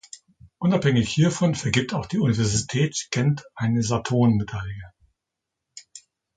Unabhängig hiervon vergibt auch die Universität Gent eine Sarton-Medaille.